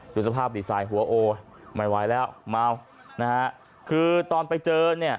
ดูสภาพดีไซน์หัวโอ้ไม่ไหวแล้วเมานะฮะคือตอนไปเจอเนี่ย